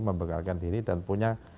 membekalkan diri dan punya